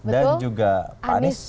dan juga pak anis